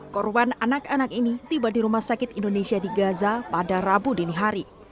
korban anak anak ini tiba di rumah sakit indonesia di gaza pada rabu dini hari